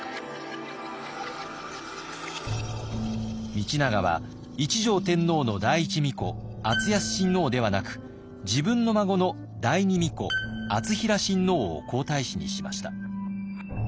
道長は一条天皇の第一皇子敦康親王ではなく自分の孫の第二皇子敦成親王を皇太子にしました。